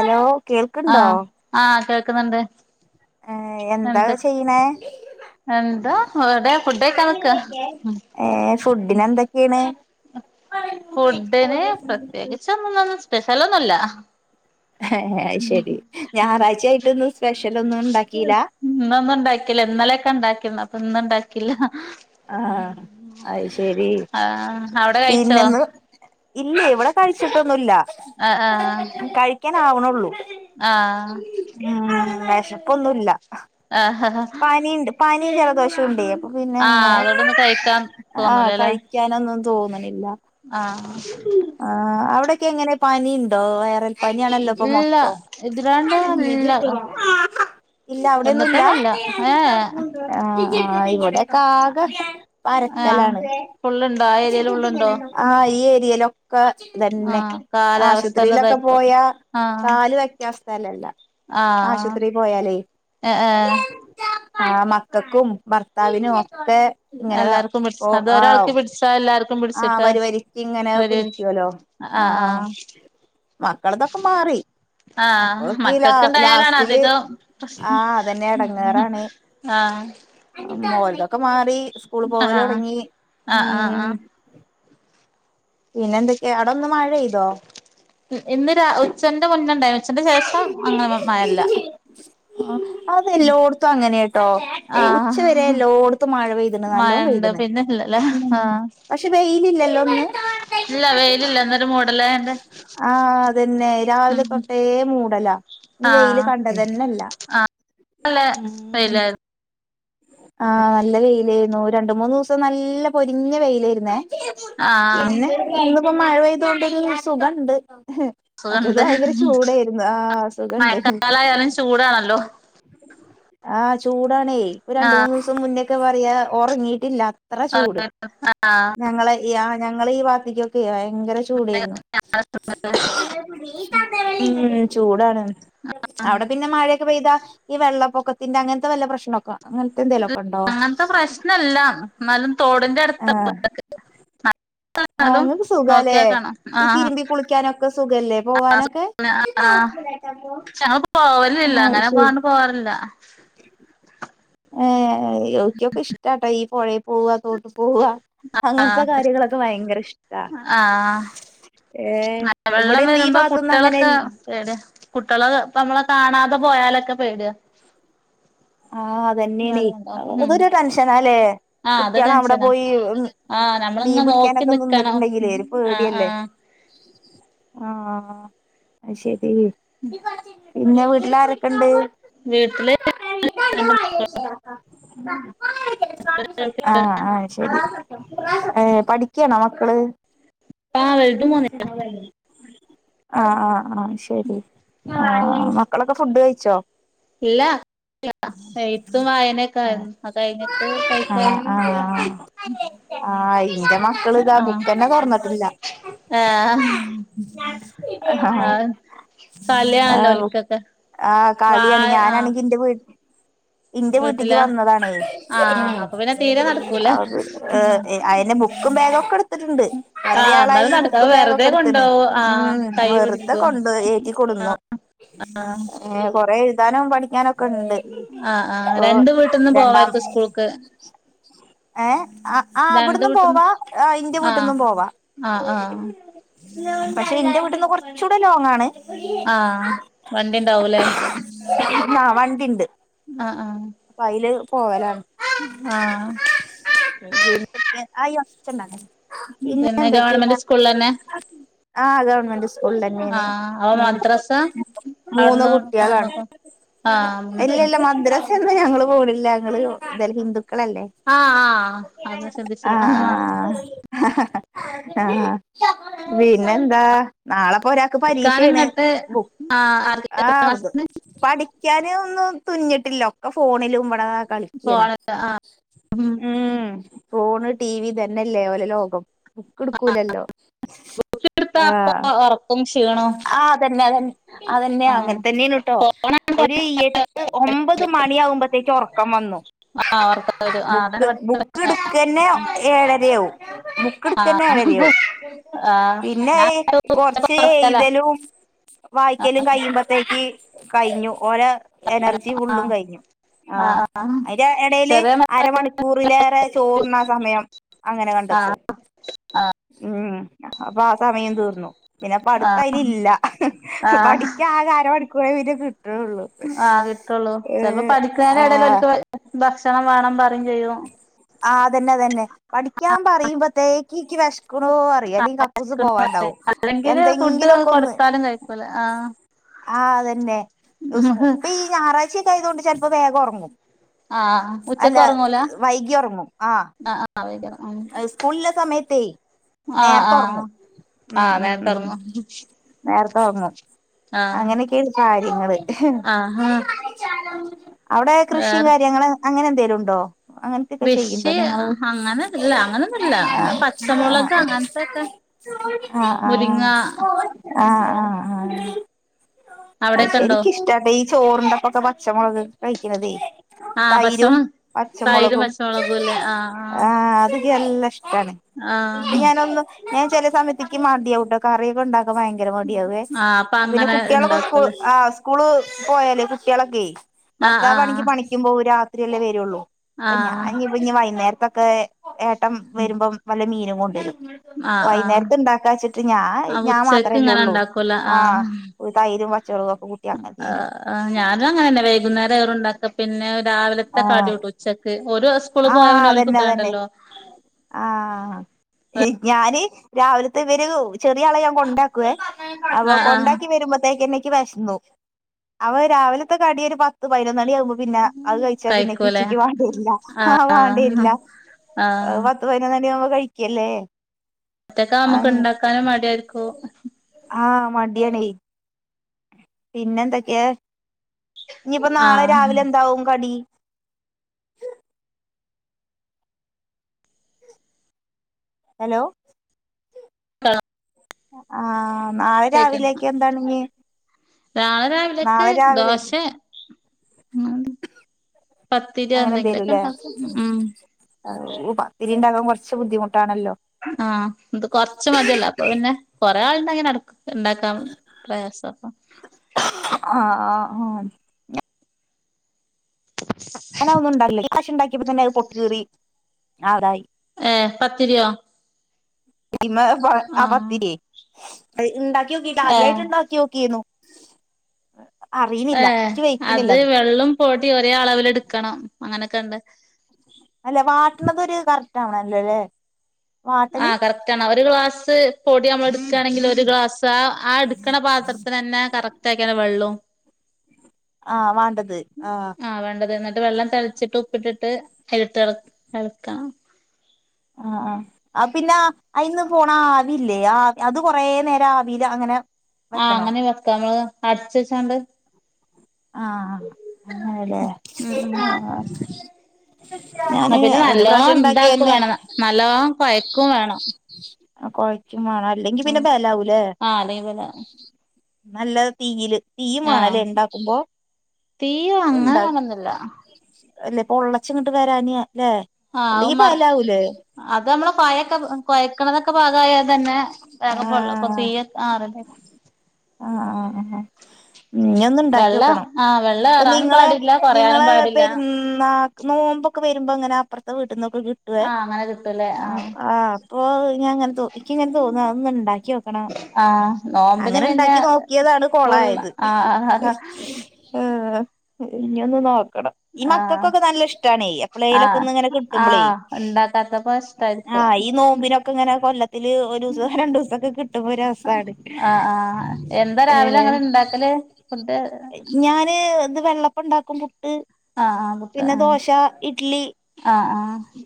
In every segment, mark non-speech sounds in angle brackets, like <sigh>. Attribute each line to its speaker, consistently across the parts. Speaker 1: Hello കേൾക്ക് ണ്ടോ
Speaker 2: ആഹ് ആഹ് കേൾക്കുന്നുണ്ട്
Speaker 1: ഏ എന്താ
Speaker 2: എന്ത്
Speaker 1: ചെയ്യ്ണേ
Speaker 2: എന്താ വ്ടെ ഫുഡയ്ക്കാൻ നിക്ക
Speaker 1: ഏ ഫുഡിന് എന്തൊക്കെയാണ്
Speaker 2: ഫുഡ്ന് പ്രത്യേകിച്ചൊന്നൊല്ലന്ന് സ്പെഷ്യലൊന്നുല്ല
Speaker 1: ഏ ഏ അത് ശെരി
Speaker 2: ഉം
Speaker 1: ഞായറാഴ്ച്ചായിട്ടൊന്നും സ്പെഷ്യലൊന്നും ണ്ടാക്കില്ല
Speaker 2: ഇന്നൊന്നും ണ്ടാക്കില്ല ഇന്നലൊക്കെ ണ്ടാക്കിന്ന് അപ്പൊന്ന് ഇണ്ടാക്ക
Speaker 1: ആ അത് ശെരി
Speaker 2: ആഹ് അവിടെ കഴിച്ചോ
Speaker 1: പിന്നെന്ന് ഇല്ലേ ഇവടെ കഴിച്ചിട്ടൊന്നുല്ല കഴിക്കാനാവ്ണൊള്ളു
Speaker 2: ആ
Speaker 1: വെശപ്പൊന്നുല്ല
Speaker 2: ആഹ ആ ആ
Speaker 1: പനിയുണ്ട് പനിയും ജലദോഷം ഉണ്ടെ പിന്നെ
Speaker 2: ആഹ്
Speaker 1: എങ്ങനെ
Speaker 2: അതോണ്ടൊന്നും കഴിക്കാൻ
Speaker 1: ആ
Speaker 2: തോന്നൂലല്ലേ
Speaker 1: കഴിക്കാനൊന്നും.
Speaker 2: ആഹ്
Speaker 1: അ അവിടൊക്കെ എങ്ങനെ പനി ഇണ്ടോ വൈറൽ പനിയാണല്ലോ ഇപ്പോ
Speaker 2: ഇല്ല
Speaker 1: മൊത്തം
Speaker 2: ഇതിലാണ്ട് ഇല്ല
Speaker 1: ഇല്ല അവിടൊന്നും ഇല്ല
Speaker 2: വന്നിട്ടൊന്നുല്ല ഏഹ്
Speaker 1: ആ ആ ഇവിടെ ആകെ
Speaker 2: ഏഹ്
Speaker 1: പരത്തലാണ്
Speaker 2: ഫുള്ളുണ്ടോ ആ ഏരിയയിൽ ഫുള്ളുണ്ടോ
Speaker 1: ആ ഈ ഏരിയ ഒക്ക തന്നെ
Speaker 2: ആഹ്
Speaker 1: ആശുപത്രിയിലൊക്കെ
Speaker 2: കാലാവസ്ഥന്റെതായിരിക്കും
Speaker 1: പോയ
Speaker 2: ആഹ്
Speaker 1: കാല് വെക്കാൻ സ്ഥലല്യ ആശുപത്രി പോയാലേ
Speaker 2: ആഹ് ആഹ്.
Speaker 1: ആ മക്കൾക്കും ഭർത്താവിനും ഒക്കെ ക്കെ ഇങ്ങനെ
Speaker 2: എല്ലാർക്കും
Speaker 1: ഓ
Speaker 2: പിടിച്ച അത്
Speaker 1: ആ
Speaker 2: ഒരാൾക്ക് പിടിച്ചാ എല്ലാർക്കും
Speaker 1: ആ
Speaker 2: പിടിച്ചിട്ട്
Speaker 1: വരു വരിക്കിങ്ങനെ
Speaker 2: വരും
Speaker 1: കുടിക്കുവ ഹലോ ആ
Speaker 2: ആഹ് ആഹ്
Speaker 1: മക്കളെ ഇതൊക്കെ മാറി ഇപ്പോ
Speaker 2: ആഹ്
Speaker 1: ല
Speaker 2: മക്കൾക്ക്ണ്ടായാലാണ്
Speaker 1: ലാസ്റ്റില്
Speaker 2: അധികം പ്രശ്
Speaker 1: ആ അതന്നെ ഇട ങ്ങേറാണ്
Speaker 2: ആഹ്
Speaker 1: മോൽ ഒക്കെ മാറി സ്കൂള് പോവല്
Speaker 2: ആഹ്
Speaker 1: തുടങ്ങി
Speaker 2: ആഹ് ആഹ്
Speaker 1: ഉം
Speaker 2: ആഹ്
Speaker 1: പിന്നെ എന്തൊക്കെയാ അവിട ഒന്ന് മഴ പെയ്തോ
Speaker 2: ഇന്ന് രാ ഉച്ചേന്റെ മുന്നുണ്ടായി ഉച്ചേ ന്റെ ശേഷം അങ്ങനെ മഴയില്ല.
Speaker 1: ആഹ അതെല്ലോടത്തും അങ്ങനൊട്ടോ
Speaker 2: ആഹ്
Speaker 1: ഉച്ച വരെ എല്ലോടത്തും മഴ പെയ്തണ് നല്ലോണം
Speaker 2: മഴണ്ട്
Speaker 1: പെയ്തണ്.
Speaker 2: പിന്നെ ഇല്ലല്ലേ
Speaker 1: ഉം
Speaker 2: ആഹ്
Speaker 1: പക്ഷെ വെയിലില്ലല്ലോ ഇന്ന്
Speaker 2: ഇല്ല വെയിലില്ല ഇന്നൊരു മൂടലായോണ്ട്
Speaker 1: ആഹ അതന്നെ
Speaker 2: ഉം
Speaker 1: രാവിലെ തൊട്ടേ മൂടല ഇന്ന് വെയില്
Speaker 2: ആഹ്
Speaker 1: കണ്ടതന്യല്ല
Speaker 2: നല്ല വെയിലായിരുന്നു.
Speaker 1: ആഹ നല്ല വെയിലായിരുന്നു രണ്ട് മൂന്നു ദിവസം നല്ല പൊരിഞ്ഞ വെയിലായിരുന്നേ
Speaker 2: ആഹ്
Speaker 1: പിന്നെ വന്നിപ്പോ മഴ പെയ്ത കൊണ്ടെങ്കിലും സുഖണ്ട് മറ്റത്
Speaker 2: സുഖണ്ട്
Speaker 1: ഭയങ്കര ചൂടായിരുന്നു ആ ആ സുഖണ്ട്
Speaker 2: മഴക്കാലായാലും ചൂടാണല്ലോ
Speaker 1: ആഹ ചൂടാണേ ഇരണ്ട്
Speaker 2: ആഹ്
Speaker 1: മൂന്ന് ദിവസം മുന്നൊക്കെ പറയാ ഉറങ്ങീട്ടില്ല അത്ര ചൂട്
Speaker 2: ആഹ്
Speaker 1: ഞങ്ങളെ ഈ ഞങ്ങള ഈ ഭാഗത്തിക്കൊക്കെ ഭയങ്കര ചൂടായിരുന്നു ഉം ചൂടാണ് അവിടെ പിന്നെ മഴയൊക്കെ പെയ്താ ഈ വെള്ളപ്പൊക്ക ത്തിന്റെ അങ്ങനത്തെ വല്ല പ്രശനൊക്കെ അങ്ങനത്തെ എന്തെലൊക്കെ ഉണ്ടോ
Speaker 2: അങ്ങനത്തെ പ്രശ്നല്ല എന്നാലും തോടിന്റെ അടുത്താലും
Speaker 1: ആഹ <inaudible> ആഹ നിങ്ങക്ക് സുഖാല്ലേ
Speaker 2: നോക്കിയാ കാണാം
Speaker 1: ഈ
Speaker 2: ആഹ്
Speaker 1: തിരുമ്പി കുളിക്കാനൊക്കെ സുഖല്ലേ പോവാനൊക്കെ
Speaker 2: ആ ഞങ്ങ പോവലില്ല അങ്ങനെ പോണ്ട് പോവാറില്ല
Speaker 1: ഏ എനിക്കൊക്കെ ഇഷ്ടാട്ടോ ഈ പുഴയേ പോവാ തോട്ട് പോവ
Speaker 2: ആഹ്
Speaker 1: അങ്ങനത്തെ കാര്യങ്ങളൊക്കെ ഭയങ്കര ഇഷ്ടാ ഏഹ്
Speaker 2: മഴ വെള്ളം
Speaker 1: ഇവിടെന്ന് ഈ
Speaker 2: വരുമ്പോ
Speaker 1: ഭാഗത്തൊന്നും അങ്ങനെ
Speaker 2: കുട്ടികളൊക്കെ എവിട്യ കുട്ടികളെ നമ്മളെ കാണാതെ. പോയാലൊക്കെ പേട്യ
Speaker 1: ആഹ അതെന്ന്യാണേ
Speaker 2: ഉം
Speaker 1: ഇതൊരു ടെൻഷനാല്ലേ
Speaker 2: ആഹ് അത്
Speaker 1: കുട്ടികള അവിടെ
Speaker 2: ടെൻഷനാ
Speaker 1: പോയി
Speaker 2: ആഹ്
Speaker 1: മീൻ
Speaker 2: നമ്മളിങ്ങനെ നോക്കി
Speaker 1: പിടിക്കാനൊക്കെ
Speaker 2: നിക്കണം
Speaker 1: നിന്നിട്ടുണ്ടെങ്കില്ലേ ഒരു
Speaker 2: ആഹ്
Speaker 1: പേടിയല്ലേ
Speaker 2: ആഹ്
Speaker 1: ആഹ അത് ശെരി പിന്നെ വീട്ടിൽ ആരൊക്കെ ഇണ്ട്
Speaker 2: വീട്ടില്
Speaker 1: <unintelligible>
Speaker 2: രണ്ട്
Speaker 1: ആഹ് ആഹ ശരി ഏ പഠിക്കാണോ മക്കള്
Speaker 2: ആഹ് വലുതും പോന്നില്ല
Speaker 1: <unintelligible> ആഹ ആഹ് ആഹ ശരി ആ മക്കളൊക്കെ ഫുഡ് കഴിച്ചോ
Speaker 2: ഇല്ല ഇല്ല എഴുത്തും വായനയൊക്കെ ആയിരുന്നു അത് കഴിഞ്ഞിട്ട് കഴിക്കാ
Speaker 1: ആഹ് ആഹ് ആഹ് ഇന്റെ മക്കള് ഇതാ ബുക്ക് തന്നെ തുറന്നട്ടില്ല
Speaker 2: ആഹ ആഹ തലയാണല്ലോ
Speaker 1: ആഹ്
Speaker 2: ഓൽക്കൊക്കെ
Speaker 1: ആഹ്
Speaker 2: വ
Speaker 1: കളിയാണ്
Speaker 2: അ
Speaker 1: ഞാനാണെങ്കി ഇന്റെ വീ ഇന്റെ വീട്ട്ക്ക് വന്നതാണേ ഉം
Speaker 2: ആഹ് അപ്പൊ പിന്നെ തീരെ നടക്കൂല
Speaker 1: അതോണ്ട് അയ്ന്റെ ബുക്കും ബേഗക്കെട്ത്ത്ട്ട്ണ്ട്
Speaker 2: ആഹ്
Speaker 1: യാളായി
Speaker 2: എന്നാലും
Speaker 1: ഈ
Speaker 2: നടക്ക അത്
Speaker 1: ബുക്കും ബാഗൊക്കെ
Speaker 2: വെറുതെ
Speaker 1: ഇട്ത്ത്ണ്
Speaker 2: കൊണ്ടോവും ആഹ്
Speaker 1: ഉം
Speaker 2: കൈ
Speaker 1: വെറുതെ
Speaker 2: പിടിക്കും
Speaker 1: കൊണ്ടോയി ഏറ്റി കൊട്ന്നു
Speaker 2: ആഹ്
Speaker 1: ഏ കൊറെ എയ്താനും പഠിക്കാനൊക്കെണ്ട്
Speaker 2: ആ ആ രണ്ട് വീട്ട്ന്ന് പോവാ ഓൽക്ക് സ്കൂൾക്ക്
Speaker 1: ഏ ആ
Speaker 2: രണ്ട്
Speaker 1: അവ്ട്ന്നും
Speaker 2: വീട്ടിന്ന്
Speaker 1: പോവാ ന്റെ
Speaker 2: ആഹ്
Speaker 1: വീട്ട്ന്നും പോവാ
Speaker 2: ആഹ് ആഹ്
Speaker 1: പക്ഷെ ന്റെ വീട്ട്ന്ന് കൊർച്ചൂടെ ലോങ്ങാണ്
Speaker 2: ആഹ് വണ്ടി ഉണ്ടാവൂലേ
Speaker 1: ഉം ആ വണ്ടിണ്ട്
Speaker 2: <unintelligible>
Speaker 1: അപ്പൊ അയില് പോവലാണ്
Speaker 2: ആഹ്
Speaker 1: <inaudible>
Speaker 2: പിന്നെ
Speaker 1: പിന്നെപ്പൊന്തെക്കെ ട
Speaker 2: ഗവൺമെന്റ് സ്കൂളിലന്നെ
Speaker 1: ആ അതാണ് ഉള്ളന്നെണ്
Speaker 2: ആഹ് അപ്പൊ
Speaker 1: മൂന്ന്
Speaker 2: മദ്രസ
Speaker 1: മൂന്ന്
Speaker 2: അവിടുന്ന്
Speaker 1: കുട്ട്യാളാണ്
Speaker 2: കൊണ്ടന്നക്കും ആഹ്
Speaker 1: ഇല്ല
Speaker 2: മൂന്നെട്ടണം
Speaker 1: ഇല്ല മദ്രസ്ന്നും ഞങ്ങള് പോണില്ല ഞങ്ങള് ഹിന്ദുക്ക ക്കളല്ലേ
Speaker 2: ആഹ് ആഹ് അത് ശ്രദ്ധിച്ചില്ല
Speaker 1: ആഹ് ആഹ് ആഹ് പിന്നെന്താ നാളെ ഒരാക്ക് പരീക്ഷയാണ്
Speaker 2: ഇക്കാനിങ്ങട്ട്
Speaker 1: ബു
Speaker 2: ആഹ് ആർക്ക് എത്രാം
Speaker 1: ആത്
Speaker 2: ക്ലാസ്സിന്ന്
Speaker 1: പഠിക്കാൻ ഒന്നും തുന്നിഞ്ഞിട്ടില്ല ഒക്ക ഫോണിലും മ്പടെ കളിക്കാണ്
Speaker 2: പോണല്ലോ ആഹ്
Speaker 1: ഉം ഫോണ് ടിവി തന്നെയല്ലേ ഓലെ ലോകം ബുക്ക് എടുക്കൂലല്ലോ.
Speaker 2: എടുത്താ അപ്പൊ
Speaker 1: ആഹ
Speaker 2: ഒറക്കും ക്ഷീണോം
Speaker 1: ആ തന്നെ അതന്നെ അതന്നെയാ
Speaker 2: ആഹ്
Speaker 1: അങ്ങനെ തന്നെയാണ് ട്ടോ
Speaker 2: ഫോണാണ്
Speaker 1: ഒരു എട്ട് ഒമ്പത് മണിയാകുമ്പോഴത്തേക്കും ഉറക്കം വന്നു
Speaker 2: ആഹ് ഒറക്കം വരും ആഹ് അതാണ്
Speaker 1: ബുക്ക്
Speaker 2: ഇവിടുത്തെ
Speaker 1: ബുക്ക്
Speaker 2: പ്രശ്നം
Speaker 1: എടുക്കന്നെ ഏഴരയാവും ബുക്ക് എടുക്കന്നെ ഏഴ
Speaker 2: ആഹ്
Speaker 1: യും
Speaker 2: ആഹ്
Speaker 1: പിന്നെ
Speaker 2: ഞാൻ ഉച്ചക്ക്
Speaker 1: കൊറച്ച്
Speaker 2: ഒറക്കലാ
Speaker 1: എഴതലും വായിക്കലും കഴിയുമ്പോത്തേക്ക് കഴിഞ്ഞു ഓരോ എനർജി ഫുള്ളും
Speaker 2: ആഹ്
Speaker 1: കഴിഞ്ഞു. ആഹ
Speaker 2: ആഹ്
Speaker 1: അതിന്റെ ഇടയില്
Speaker 2: ചെറിയ
Speaker 1: അരമണിക്കൂറിലേറെ ചോറുണ്ണാൻ സമയം അങ്ങനെ
Speaker 2: ആഹ്
Speaker 1: കണ്ടെത്തും ഉം അപ്പൊ ആ സമയം തീർന്നു പിന്നെ പഠിത്ത
Speaker 2: ആഹ്
Speaker 1: അയിൽ ഇല്ല
Speaker 2: ആഹ്
Speaker 1: പഠിക്കാ ആ അര മണിക്കൂറെ പിന്നെ കി - അതിറെള്ളൂ
Speaker 2: ചിലപ്പോ പഠിക്കാനിടയിൽ ഓൽക്ക് ഭക്ഷണം വേണം പറ
Speaker 1: ആ അതന്നെതന്നെ പഠിക്കാൻ പറയുമ്പോത്തേക്ക്- എക്ക് വിഷക്ക്ണോ പറയ്‌ അല്ലെങ്കി കക്കൂസ് പോവാണ്ടാവും
Speaker 2: അല്ലെങ്കില് ഫുഡ്
Speaker 1: എന്തെങ്കിലുക്കെ ഒന്ന്
Speaker 2: കൊടുത്താലും കഴിക്കൂല
Speaker 1: ആഹ അതന്നെ
Speaker 2: ആഹ്
Speaker 1: ഇപ്പൊ ഈ ഞായറാഴ്ചയൊക്കെ ആയതുകൊണ്ട് ചിലപ്പോ വേഗം ഉറങ്ങും
Speaker 2: ആഹ ഉച്ചക്ക് ഉറങ്ങൂ
Speaker 1: വൈകി ഉറങ്ങും ആ
Speaker 2: ആതെ ഉം
Speaker 1: സമയത്തെ
Speaker 2: ആഹ ആഹ് ആഹ
Speaker 1: ഉം ഉം
Speaker 2: നേരത്തെറങ്ങും
Speaker 1: നേരത്തെ ഒറങ്ങും
Speaker 2: ആഹ്
Speaker 1: അങ്ങനെയൊക്കെയാണ് കാര്യങ്ങള്
Speaker 2: ആഹാ
Speaker 1: അവിടെ കൃഷിയും കാര്യങ്ങള് അങ്ങനെ എന്തേലും ഉണ്ടോ അങ്ങനത്തൊക്കെ ചെയ്യണ്ടോ
Speaker 2: കൃഷി
Speaker 1: നിങ്ങൾ?
Speaker 2: അങ്ങനെ ഇല്ല അങ്ങനൊന്നും ഇല്ല ഞാൻ പച്ചമുളക് അങ്ങനത്തെക്കെ
Speaker 1: ആഹ് ആഹ് ആഹ് ആഹ ആഹ് ആഹ് അത്
Speaker 2: അവിടെക്കെണ്ടോ
Speaker 1: ശരിക്ക ഇഷ്ട്ട ഈ ചോറിണ്ടപ്പൊക്കെ പച്ചമുളക് കഴിക്കണതേ
Speaker 2: ആഹ്
Speaker 1: തൈരും
Speaker 2: പച്ചമൊ തൈരും
Speaker 1: പച്ചമുളകും
Speaker 2: പച്ചമുളകും ഇല്ലേ
Speaker 1: ആഹ് അത് നല്ല ഇഷ്ടമാണ് ഇപ്പ
Speaker 2: ആഹ് ആഹ്
Speaker 1: ഞാനൊന്ന് ഞാൻ ചില സമയത്തേക്ക് മടിയാട്ടോ കറിയൊക്കെ ഉണ്ട ഭയങ്കര മടിയാവേ
Speaker 2: ആഹ് അപ്പൊ
Speaker 1: പിന്നെ
Speaker 2: അങ്ങനെ
Speaker 1: കുട്ടിയാളൊക്കെ സ്കൂ
Speaker 2: ഇണ്ടാക്കുംല്ലേ
Speaker 1: ആ് സ്കൂള് പോയാലേ കുട്ടികളൊക്കെ
Speaker 2: ആഹ്
Speaker 1: ഭർത്താവ് ആണെങ്കി
Speaker 2: ആഹ്
Speaker 1: പണിക്കുമ്പോ രാത്രിയല്ലേ വരുള്ളൂ അപ്പ
Speaker 2: ആഹ്
Speaker 1: ഞാൻ ഇ ഇനി വൈകുന്നേരത്തൊക്കെ ഏട്ടം വരുമ്പം വല്ല മീനും കൊണ്ടുവരും.
Speaker 2: ആഹ് ആഹ്
Speaker 1: വൈുന്നേരത്ത്ണ്ടാക്കാച്ചിട്ട് ഞാ
Speaker 2: ആഹ്
Speaker 1: ഞാ
Speaker 2: ഉച്ചക്ക് ഇങ്ങനെ
Speaker 1: മാത്രല്ലേള്ളൂ
Speaker 2: ഇണ്ടാക്കൂല
Speaker 1: ആഹ് ഒര്തൈരും വ
Speaker 2: ആഹ് ഞാനും അങ്ങനെന്നെ വൈകുന്നേരം ഇർ ണ്ടക പിന്നെ രാവിലത്തെ കടി
Speaker 1: ആഹ്
Speaker 2: വിട്ട് ഉച്ചക്ക് ഒരു സ്കൂള്
Speaker 1: ആഹ്
Speaker 2: പോയവനെ ഓല്ക്
Speaker 1: അതന്നെ
Speaker 2: ഫുഡ്
Speaker 1: അതന്നെ
Speaker 2: ണ്ടല്ലോ
Speaker 1: ആഹ് ഞാന് രാവിലത്തെ ഇവര് ചെറിയ ആള ഞാൻ കൊ ണ്ടാക്കുവേ അപ്പൊ
Speaker 2: ആഹ് ആഹ്
Speaker 1: കൊണ്ടാക്കി വരുമ്പോത്തേക്കെനി നിക്ക് വിശന്നു അവ രാവിലത്തെ കടിയൊ ഒരു പത്ത് പതിനൊന്നണിയ ആകുമ്പോ പിന്നെ അത് കഴിച്ചാ പിന്നെക്ക്
Speaker 2: കഴിക്കൂലേ
Speaker 1: ഉച്ചിക്ക് വാണ്ടേരില്ല ആ
Speaker 2: ആഹ് ആഹ്
Speaker 1: വാണ്ടേരില്ല
Speaker 2: ആഹ്
Speaker 1: പത്ത് പതിനൊന്ന് മണിയാകുമ്പോ കഴിക്കല്ലേ
Speaker 2: ഒറ്റക്കാവുമ്പോ നമുക്ക്
Speaker 1: ആഗ്
Speaker 2: ഇണ്ടാക്കാനും മടിയായിരിക്കും
Speaker 1: ആ മട്യണെ പിന്നെന്തക്കെയാ ഇനിയിപ്പോ നാളെ
Speaker 2: ആഹ്
Speaker 1: രാവിലെ എന്താവും കടി ഹലോ
Speaker 2: <unintelligible> ലൊ
Speaker 1: ആഹ് നാളെ രാവിലേക്ക് എന്താണ് ഇഞ്ഞി
Speaker 2: നാളെ രാവിലക്ക് ദോശ
Speaker 1: <inaudible> അങ്ങനെ
Speaker 2: എന്തെങ്കിലൊക്കെ
Speaker 1: എന്തലുംല്ലേ
Speaker 2: ഇണ്ടാക്കും ഉം
Speaker 1: പത്തിരി മ് ഇണ്ടകാൻ കുറച്ച് ബുദ്ധിമുട്ട്
Speaker 2: ആ ഇത് കൊറച്ച മതിയല്ല അപ്പൊ പിന്നെ കൊറെ ആൾണ്ടങ്കി നടക്കും ഇണ്ടാക്കാൻ പ്രയാസം അപ്പ
Speaker 1: ആഹ് ആഹ് ആഹ് ഞാൻ അതൊന്നും ഒണ്ടാ <unintelligible> ണ്ടാക്കിയപ്പോ തന്നെ അത് പൊട്ട് കീറിആതായി
Speaker 2: ഏ പത്തിരിയോ
Speaker 1: ഇമ്മ ആ
Speaker 2: ആഹ്
Speaker 1: പത്തിരി ഇണ്ടാക്കി നോക്കിട്ട ആദ്യമായിട്ട്
Speaker 2: ഏഹ്
Speaker 1: ഇണ്ടാക്കി നോക്കിരുന്നു
Speaker 2: ഏഹ്
Speaker 1: എനിക്ക് വെയ്ക്കുന്നില്ല
Speaker 2: അത് വെള്ളം പോട്ടി ഒരേ അളവിൽ എടുക്കണം അങ്ങനൊക്കെണ്ട്
Speaker 1: അല്ലെ വാട്ടണതൊരു കറക്റ്റ് ആവണല്ലല്ലേ
Speaker 2: ആഹ് കറക്റ്റണം ഒരു ഗ്ലാസ് പൊടി നമ്മളെടുക്കണെങ്കിൽ ഒരു ഗ്ലാസ് ആ എടുക്കണ പാത്രത്തിനന്നെ കറക്റ്റ് ആക്ക വെള്ളം
Speaker 1: ആഹ് വണ്ടത്
Speaker 2: ആ വേണ്ടത് എന്നിട്ട് വെള്ളം തിച്ചിട്ട് ഉപ്പിട്ടിട്ട് അയില്ട്ട് എളക്കണം
Speaker 1: ആ ആ ആ പിന്നെ അതിന്ന് പോണ ആവില്ലേ ആ അത് കൊറെ നേരം ആവില അങ്ങനെ
Speaker 2: ആ
Speaker 1: വെക്കണോ
Speaker 2: അങ്ങനെ വെക്ക നമ്മള് അടച്ചെച്ചാണ്ട്
Speaker 1: ആഹ് അങ്ങനല്ലെ ആഹ്
Speaker 2: മറ്റേതിന് നല്ലോ ഇതാക്ക
Speaker 1: തന്നെ
Speaker 2: വേണം നല്ലോ കൊയക്കും വേണം
Speaker 1: ആ കുഴയ്ക്കും വേണം അല്ലെങ്കി പിന്നെ
Speaker 2: ഉം
Speaker 1: ബലാവുലേ
Speaker 2: ആഹ് അല്ലെങ്കി പിന്നെ
Speaker 1: നല്ല തീയില് തീ
Speaker 2: ആഹ്
Speaker 1: വേണല്ലേ ഇണ്ടാക്കുമ്പോ
Speaker 2: തീയും അങ്ങനെ
Speaker 1: ണ്ട
Speaker 2: വേണന്നില്ല
Speaker 1: അല്ലപ്പൊള്ളച്ചങ്ങട്ട് വരാന് ല്ലെ
Speaker 2: ആഹ് അത് മർ
Speaker 1: അല്ലെങ്കിപലാവൂലേ
Speaker 2: അത് നമ്മള് കൊഴൊക്കെ കൊഴക്കണതൊക്കെ പാകായ തന്നെ വേഗം
Speaker 1: ആ
Speaker 2: പൊള്ളക്കും തീയ ആഹ് റെഡി
Speaker 1: ആ ആ അ ഞ്ഞി ഒന്ന്ണ്ടാക്കി
Speaker 2: വെള്ളം
Speaker 1: നോക്കണം
Speaker 2: ആഹ് വെള്ളം
Speaker 1: അപ്പൊ
Speaker 2: ഏറാനും
Speaker 1: നിങ്ങളെ
Speaker 2: പാടില്ല കൊറയാനും
Speaker 1: നിങ്ങള്
Speaker 2: പാടില്ല
Speaker 1: പെരുന്ന നോമ്പക്കെ വരുമ്പോ എങ്ങന അപ്പുറത്തെ വീട്ടിൽന്നൊക്കെ കിട്ടുവേ
Speaker 2: ആഹ് അങ്ങനെ കിട്ടൂലേ ആഹ്
Speaker 1: ആആ അപ്പൊ <unintelligible> അങ്ങന്തോ നിക്ക് ഇങ്ങനെ തോന്നുവ അതൊന്നെണ്ടാക്കി നോക്കണം
Speaker 2: ആഹ് നോമ്പിന് പിന്നെ
Speaker 1: അങ്ങനെണ്ടാക്കി നോക്കിയതാണ്
Speaker 2: ഫുൾ
Speaker 1: കൊളായത്
Speaker 2: ആഹ് ആഹ്
Speaker 1: ആഹ്‌ ഇനി ഒന്ന് നോ ഈ മക്കൾക്കൊക്കെ നല്ല ഇഷ്ടനെ എപ്പളലൊക്കെ
Speaker 2: ആഹ്
Speaker 1: ഒന്ന് ഇങ്ങനെ കിട്ടുമ്പളേ
Speaker 2: ആഹ് ഇണ്ടാക്കാത്തപ്പോ
Speaker 1: ആ
Speaker 2: ഇഷ്ടായിരിക്കും
Speaker 1: ഈ നോമ്പിനൊക്കെ അങ്ങെ കൊല്ലത്തില് ഒരു ദിവസ രണ്ട് ദിവസൊക്കെ കിട്ടുമ്പോ ഒരു രസാണ് ഏഹ്
Speaker 2: ണ്ടാക്കല് കൊ
Speaker 1: ഞാന് ഇത് വെള്ളപ്പ ഇണ്ടാക്കുമ്പോ ട്ട്
Speaker 2: ആഹ് ആഹ് പുട്ട്
Speaker 1: പിന്നെ
Speaker 2: ആഹ്
Speaker 1: ദോശ ഇഡ്ലി
Speaker 2: ആഹ്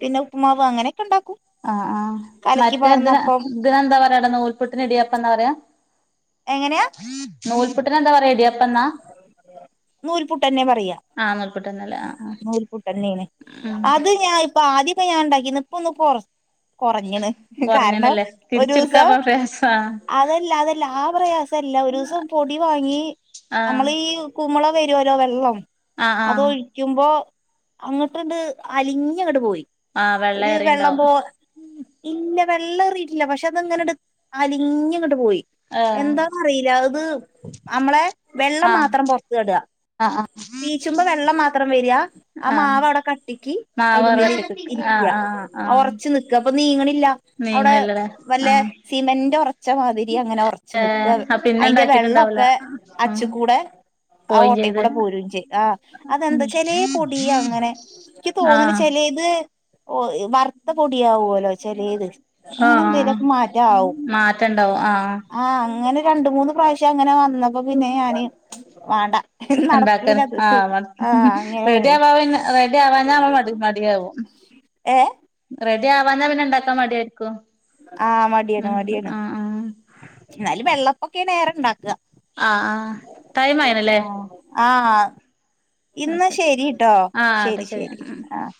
Speaker 1: പിന്നെ ഉപ്പുമാവ് അങ്ങനെയൊക്കെ ഇണ്ടാക്കും
Speaker 2: ആഹ ആമറ്റേതി ഇതിനെന്താ പറയാടാ നൂൽപുട്ടിന് ഇടിയപ്പ എന്താ പറയാ
Speaker 1: എങ്ങനെയാ
Speaker 2: നൂൽപുട്ടനെ ന്താ പറയ ഇടിയപ്പംന്നാ
Speaker 1: നൂല് പുനന്നെ പറയാ
Speaker 2: ആഹ് നൂൽപുട്ട്ന്നല്ലേ ആഹ് ആഹ്
Speaker 1: നൂൽപ്പുട്ടെന്നെണ്
Speaker 2: ഉം
Speaker 1: അത് ഞാൻ ഇപ്പ ആദ്യ ഇ ഞാൻ ഉണ്ടാക്കിന്ന് ഇപ്പൊ ഒന്ന് കൊ കൊറഞ്ഞണ് കാരണം
Speaker 2: കൊറഞ്ഞണല്ലേ
Speaker 1: ഒരുസം
Speaker 2: തിരിച്ചെടുക്കാപ്പ പ്രയാസാ
Speaker 1: അതല്ല അതല്ല ആ പ്രയാസല്ല ഒരു സം പൊടി വാങ്ങി
Speaker 2: ആഹ്
Speaker 1: നമ്മള്ഈ കുമ്മള വരോല്ലോ വെള്ളം
Speaker 2: ആഹ് ആഹ്
Speaker 1: അതൊഴിക്കുമ്പോ അങ്ങോട്ട്ണ്ട് അലിഞ്ഞങ്ങട്ട് പോയി
Speaker 2: ആഹ്
Speaker 1: ഒരു വെള്ള
Speaker 2: ഏറിണ്ടാവും
Speaker 1: പോ ഇന്ന വെള്ളം റിട്ടില്ല പക്ഷെ അത്ങ്ങനെട്ട്അലഞ്ഞങ്ങട്ട് പോയി
Speaker 2: ഏഹ്
Speaker 1: എന്താന്നറില്ല അത് അമ്മളെ വെള്ളം
Speaker 2: ആഹ്
Speaker 1: മാത്രം പൊർത്താട
Speaker 2: ആഹ് ആഹ്
Speaker 1: പീച്ചുമ്പ വെള്ളം മാത്രം വര്യആ
Speaker 2: ആഹ്
Speaker 1: മാവ് അവിടെ കട്ടിക്ക് അതിന്റെ
Speaker 2: മാവ്
Speaker 1: ഉള്ളില്
Speaker 2: റെഡിക്ക്
Speaker 1: ഇ
Speaker 2: ആഹ് ആഹ് ആഹ്
Speaker 1: ഉറച്ച നിക്ക ല്ല അവിടെ
Speaker 2: നീങ്ങണില്ലല്ലേ
Speaker 1: വല്ല
Speaker 2: ആഹ്
Speaker 1: സിമന്റെ റച്ച മാതിരി ങ്ങനെ ഒറച്ച് നിക്ക ആയിന്റെ
Speaker 2: പിന്നെണ്ടാവൂല്ല
Speaker 1: അച്ച്കൂടെ ആ ഓട്ടക്കൂടെ പോരും ചെയ ആ
Speaker 2: ഉം
Speaker 1: അതെന്താ ചെലെപൊടിയ അങ്ങനെ ഇക്കി തോന്നണ
Speaker 2: ആഹ്
Speaker 1: ചെലെ ഇത് ഓ വറുത്ത പൊടിയാവുലോ ചെലത് അങ്ങനെ
Speaker 2: ആഹ്
Speaker 1: എന്തേലൊക്കെ മാറ്റാവും ആഹ് അങ്ങനെ രണ്ട് മൂന്ന് പ്രാശ്യം അങ്ങനെ വൻ ന്നപ്പപ്പിന്നെ ഞാന് വാണ്ട ഇത്
Speaker 2: ഇണ്ടാക്കൻ
Speaker 1: നടക്കൂലത്
Speaker 2: ആഹ്
Speaker 1: ആഹ് അങ്ങനെയാ
Speaker 2: റെഡി ആവാ പിന്നെ റെഡി ആവാഞ്ഞ മൾ മടിയവും
Speaker 1: ഏഹ്
Speaker 2: <unintelligible> ആവാഞ്ഞാൽ പിന്നെ ഉണ്ടാക്കാൻ മടിയായിരിക്കും
Speaker 1: ആഹ് മടിയാണ്
Speaker 2: ഉം
Speaker 1: മടിയാണ്
Speaker 2: ആഹ് ആഹ്
Speaker 1: ന്നാലും വെള്ളപ്പൊക്കെയാണ് എറെണ്ടാക്കാ
Speaker 2: ആഹ് ആഹ് ടൈമായിണ്ല്ലേ
Speaker 1: ആഹ് ആഹ് ഇന്നാ ശരീട്ടോ
Speaker 2: ആഹ് അത്
Speaker 1: ശരി ശരി
Speaker 2: ഉം
Speaker 1: ആഹ്